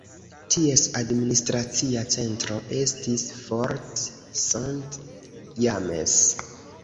Ties administracia centro estis Fort St. James.